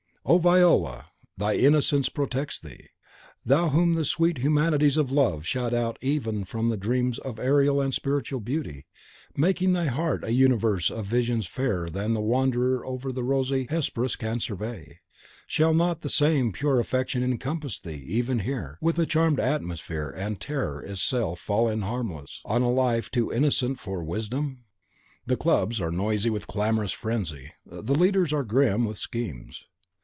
O Viola, thy innocence protects thee! Thou whom the sweet humanities of love shut out even from the dreams of aerial and spiritual beauty, making thy heart a universe of visions fairer than the wanderer over the rosy Hesperus can survey, shall not the same pure affection encompass thee, even here, with a charmed atmosphere, and terror itself fall harmless on a life too innocent for wisdom? CHAPTER 7.IV. Ombra piu che di notte, in cui di luce Raggio misto non e; ....